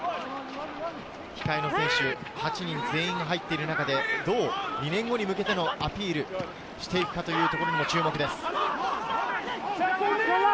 控えの選手８人全員が入っている中でどう２年後に向けてのアピールをしていくかというところにも注目です。